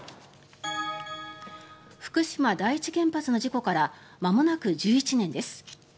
福島第一原発の事故からまもなく１１年です。